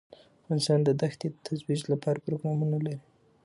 افغانستان د دښتې د ترویج لپاره پروګرامونه لري.